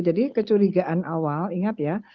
jadi kecurigaan awal ingat ya